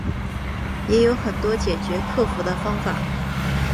也有很多解决克服的方法